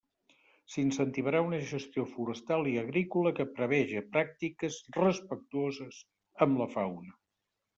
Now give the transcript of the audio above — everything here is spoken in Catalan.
S'incentivarà una gestió forestal i agrícola que preveja pràctiques respectuoses amb la fauna.